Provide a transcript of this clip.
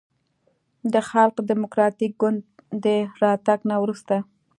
د خلق دیموکراتیک ګوند د راتګ نه وروسته